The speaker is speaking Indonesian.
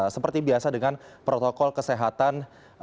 seperti biasa dengan protokol kesehatan